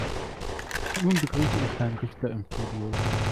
Und nun begrüße ich Herrn Richter im Studio.